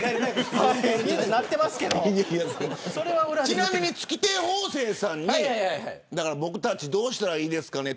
ちなみに月亭方正さんに僕たち、どうしたらいいですかね